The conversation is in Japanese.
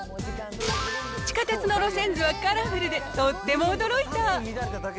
地下鉄の路線図はカラフルで、とっても驚いた。